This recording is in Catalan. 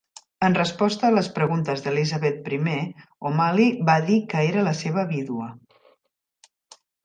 En resposta a les preguntes d'Elisabet I, O'Malley va dir que era la seva vídua.